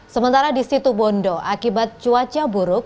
sementara di situ bondo akibat cuaca buruk